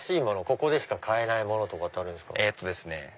ここでしか買えないものとかってあるんですか？